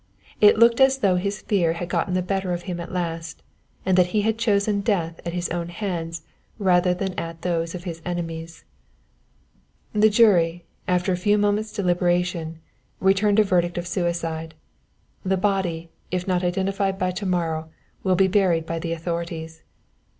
It looked as though his fear had got the better of him at last, and that he had chosen death at his own hands rather than at those of his enemies._ "_The jury, after a few moments' deliberation, returned a verdict of suicide. The body, if not identified by to morrow, will be buried by the authorities.